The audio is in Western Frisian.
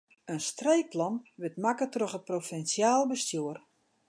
In streekplan wurdt makke troch it provinsjaal bestjoer.